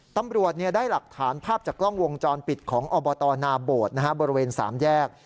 ตำรวจได้หลักฐานภาพจากกล้องวงจรปิดของอบตนาโบดบริเวณ๓แยก